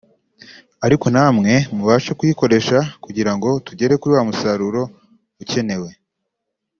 ariko namwe mubashe kuyikoresha kugira ngo tugere kuri wa musaruro ukenewe